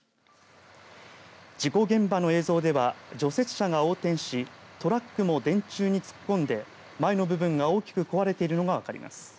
事故現場の映像では除雪車が横転しトラックも電柱に突っ込んで前の部分が大きく壊れているのが分かります。